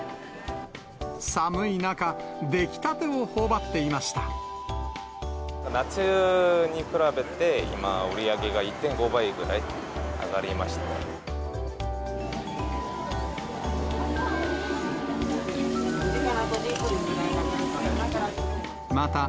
寒い中、夏に比べて、今、売り上げが１．５倍ぐらい上がりました。